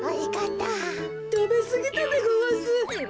たべすぎたでごわす。